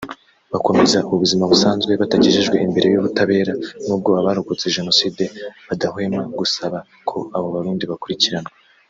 bakomeza ubuzima busanzwe batagejejwe imbere y’ubutabera nubwo Abarokotse Jenoside badahwema gusaba ko abo barundi bakurikiranwa